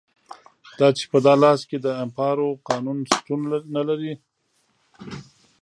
دا چې په دالاس کې د امپارو قانون شتون نه درلود.